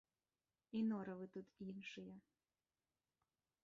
І норавы тут іншыя.